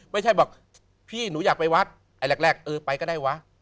ไม่ใช่บอกพี่หนูอยากไปวัดไอ้แรกเออไปก็ได้วะ